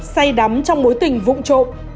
say đám trong mối tình vụn trộn